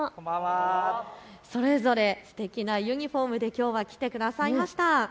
それぞれすてきなユニフォームで来てくださいました。